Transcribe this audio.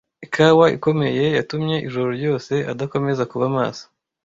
Ikawa ikomeye yatumye ijoro ryose adakomeza kuba maso.